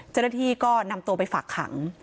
เจ้าหน้าที่ก็นำตัวไปฝากขัง